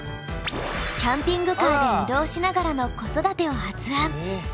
キャンピングカーで移動しながらの子育てを発案。